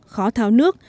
khó tháo nước